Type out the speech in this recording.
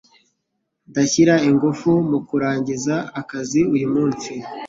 Nzashyira ingufu mu kurangiza akazi uyu munsi.